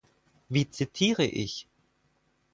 Wie zitiere ich?